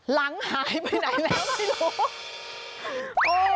หลังหายไปไหนแล้วไม่รู้